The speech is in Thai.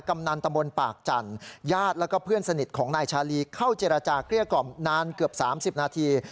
กำนันตะมนต์ปากจันทร์ญาติแล้วก็เพื่อนสนิทของนายชาลีเข้าเจรจาเกลี้ยกล่อมนานเกือบ๓๐นาที